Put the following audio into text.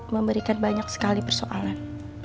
memberikan banyak sekali persoalan